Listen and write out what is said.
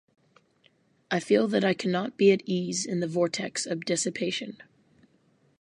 I feel that I cannot be at ease in the vortex of dissipation.